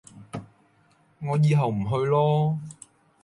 我以後唔去囉